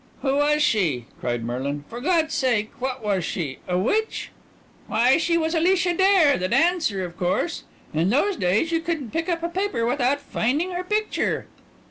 "Who was she?" cried Merlin. "For God's sake what was she a witch?" "Why, she was Alicia Dare, the dancer, of course. In those days you couldn't pick up a paper without finding her picture."